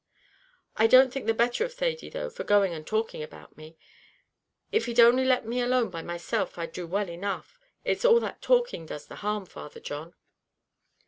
"I don't think the better of Thady, though, for going and talking about me. If he'd only let me alone by myself I'd do well enough; it's all that talking does the harm, Father John."